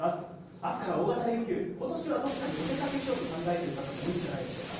あすから大型連休、ことしはどこかにお出かけしようと考えている方も多いんじゃないでしょうか。